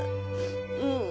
うん。